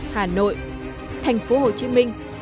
hà nội thành phố hồ chí minh